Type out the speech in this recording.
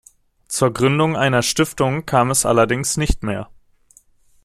Zur Gründung einer Stiftung kam es allerdings nicht mehr.